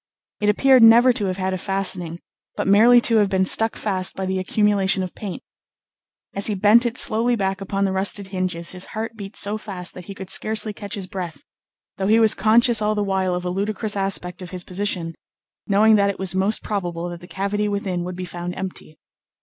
It appeared never to have had a fastening, but merely to have been stuck fast by the accumulation of paint. As he bent it slowly back upon the rusted hinges his heart beat so fast that he could scarcely catch his breath, though he was conscious all the while of a ludicrous aspect of his position, knowing that it was most probable that the cavity within would be found empty.